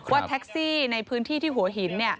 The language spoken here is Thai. ว่าแท็กซี่ในพื้นที่ที่หัวหิน